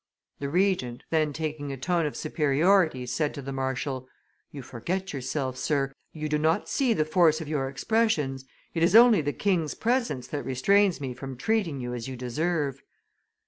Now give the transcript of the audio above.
The Regent, then taking a tone of superiority, said to the marshal, 'You forget yourself, sir; you do not see the force of your expressions; it is only the king's presence that restrains me from treating you as you deserve.